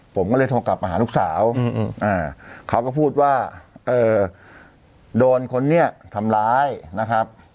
ผมก็เลยโทรกลับมาหาลูกสาวเขาก็พูดว่าโดนคนนี้ทำร้ายนะครับ